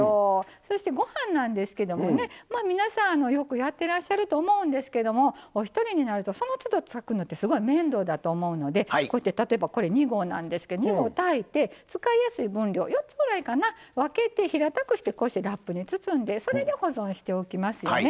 そしてご飯なんですけどもね皆さんよくやってらっしゃると思うんですけどもお一人になるとそのつど炊くのはすごい面倒だと思うのでこうやって例えばこれ２合なんですけど２合炊いて使いやすい分量４つぐらいかな分けて平たくしてこうしてラップに包んでそれで保存しておきますよね。